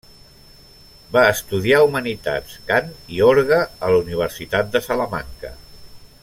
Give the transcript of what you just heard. Va estudiar humanitats, cant i orgue a la Universitat de Salamanca.